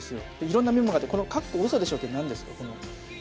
いろんなメモがあって、この、かっこうそでしょってなんですか？